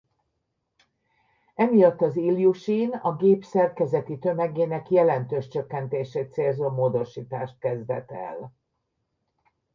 Emiatt az Iljusin a gép szerkezeti tömegének jelentős csökkentését célzó módosítást kezdett el.